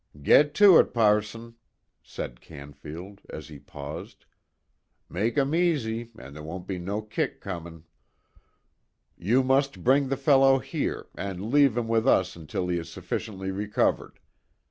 "Get to it, passon," said Canfield, as he paused. "Make 'em easy, an' ther' won't be no kick comin'." "You must bring the fellow here, and leave him with us until he is sufficiently recovered.